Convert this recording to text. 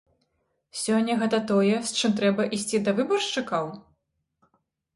Сёння гэта тое, з чым трэба ісці да выбаршчыкаў?